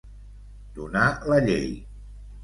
Donar la llei.